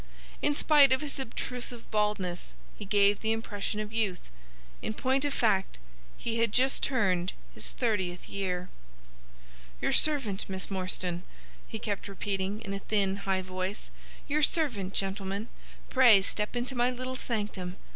In spite of his obtrusive baldness, he gave the impression of youth. In point of fact he had just turned his thirtieth year. "Your servant, Miss Morstan," he kept repeating, in a thin, high voice. "Your servant, gentlemen. Pray step into my little sanctum.